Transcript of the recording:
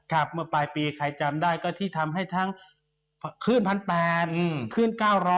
เมื่อปลายปีใครจำได้ก็ที่ทำให้ทั้งขึ้น๑๘๐๐ขึ้น๙๐๐